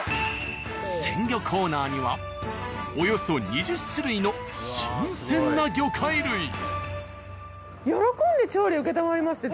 鮮魚コーナーにはおよそ２０種類の新鮮な魚介類。あっやってくれるの？